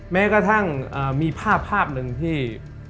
แม้กระทั่งมีภาพนึงที่